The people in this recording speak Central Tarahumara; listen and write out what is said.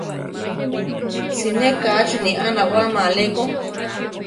Siné kachini a nawáma aleko.